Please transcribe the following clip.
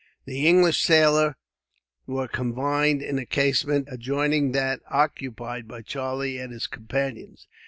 The English sailors were confined in a casemate, adjoining that occupied by Charlie and his companions.